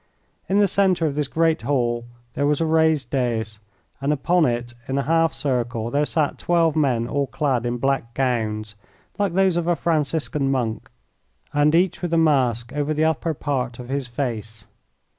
In the centre of this great hall there was a raised dais, and upon it in a half circle there sat twelve men all clad in black gowns, like those of a Franciscan monk, and each with a mask over the upper part of his face.